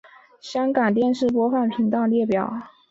香港电视播放频道列表